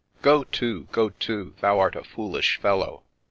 ? Go to, go to, thou art a foolish fellow!